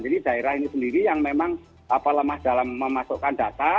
jadi daerah ini sendiri yang memang apa lemah dalam memasukkan data